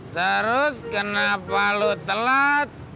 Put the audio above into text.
terus kenapa lo telat